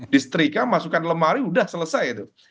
disetrika masukkan lemari sudah selesai itu